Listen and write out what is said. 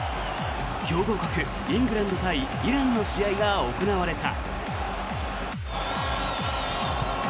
強豪国イングランド対イランの試合が行われた。